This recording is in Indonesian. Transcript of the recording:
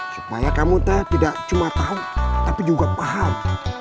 supaya kamu tuh tidak cuma tahu tapi juga paham